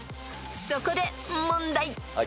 ［そこで問題］